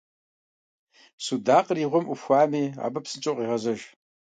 Судакъыр и гъуэм Ӏупхуами, абы псынщӀэу къегъэзэж.